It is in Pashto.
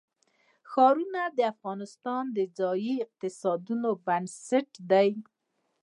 ښارونه د افغانستان د ځایي اقتصادونو بنسټ دی.